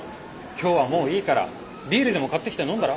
今日はもういいからビールでも買ってきて飲んだら？